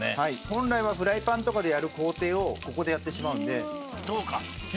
本来はフライパンとかでやる工程をここでやってしまうので。